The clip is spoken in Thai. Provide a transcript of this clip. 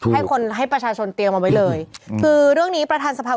ให้คนให้ประชาชนเตรียมเอาไว้เลยคือเรื่องนี้ประธานสภา